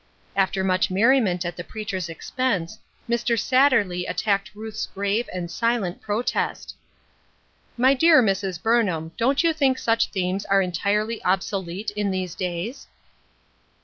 After much merriment at the preacher's expense, Mr. Satterley attacked Ruth's grave and silent protest. " My dear Mrs. Burnham, don't you think such themes are entirely obsolete, in these days